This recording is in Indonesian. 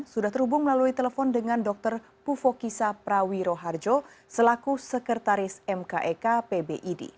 sudah terhubung melalui telepon dengan dokter pufo kisa prawiroharjo selaku sekretaris mkek pbid